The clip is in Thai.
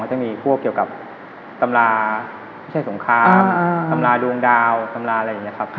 จะมีพวกเกี่ยวกับตำราไม่ใช่สงครามตำราดวงดาวตำราอะไรอย่างนี้ครับ